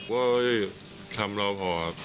ว่าทำรอพอ